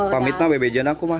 pamitnya bebe jenakumah